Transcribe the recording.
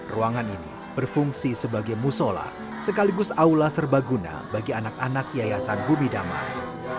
ruangan ini berfungsi sebagai musola sekaligus aula serbaguna bagi anak anak yayasan bumi damai